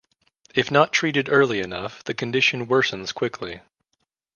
If not treated early enough, the condition worsens quickly.